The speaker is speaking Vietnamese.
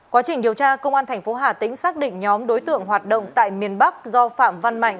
quá trình điều tra công an tp hà tĩnh xác định nhóm đối tượng hoạt động tại miền bắc do phạm văn mạnh